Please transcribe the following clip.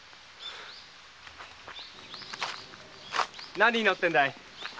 何を祈ってるんだい？